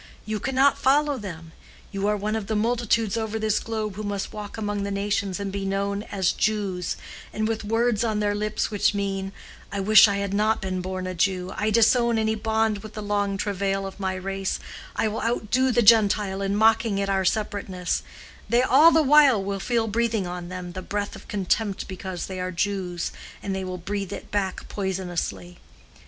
You cannot follow them. You are one of the multitudes over this globe who must walk among the nations and be known as Jews, and with words on their lips which mean, 'I wish I had not been born a Jew, I disown any bond with the long travail of my race, I will outdo the Gentile in mocking at our separateness,' they all the while feel breathing on them the breath of contempt because they are Jews, and they will breathe it back poisonously.